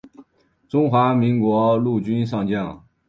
中华民国陆军上将。